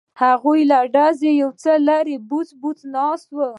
هغوی له ډزو یو څه لرې بوڅ بوڅ ناست وو.